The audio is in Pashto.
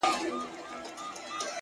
• خورې ورې پرتې وي؛